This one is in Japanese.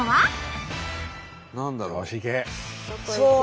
何だろう？